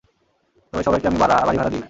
তবে সবাইকে আমি বাড়ি ভাড়া দিই না।